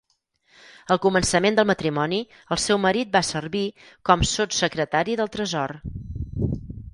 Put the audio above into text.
Al començament del matrimoni el seu marit va servir com Sotssecretari del Tresor.